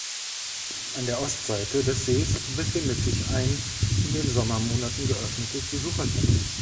An der Ostseite des Sees befindet sich ein in den Sommermonaten geöffnetes Besucherzentrum.